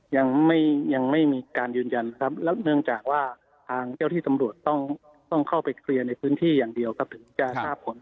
ยังไม่ยังไม่มีการยืนยันครับแล้วเนื่องจากว่าทางเจ้าที่ตำรวจต้องเข้าไปเคลียร์ในพื้นที่อย่างเดียวครับถึงจะทราบผล